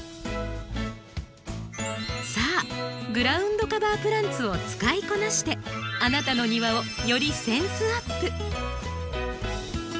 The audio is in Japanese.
さあグラウンドカバープランツを使いこなしてあなたの庭をよりセンスアップ。